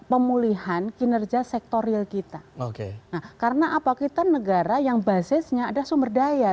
pemulihan kinerja sektoril kita oke karena apa kita negara yang basisnya ada sumber daya